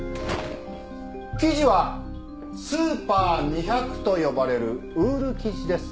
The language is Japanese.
生地はスーパー２００と呼ばれるウール生地です。